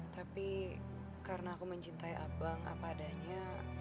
tapi karena aku mencintai abang apa adanya